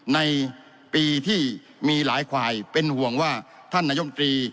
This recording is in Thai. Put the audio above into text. ในปีที่มีหลายฝ่ายเป็นห่วงว่าท่านนายมตรี